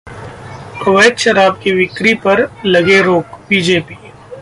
अवैध शराब की बिक्री पर लगे रोक: बीजेपी